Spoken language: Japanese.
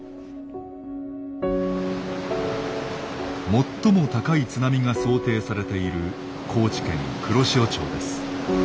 最も高い津波が想定されている高知県黒潮町です。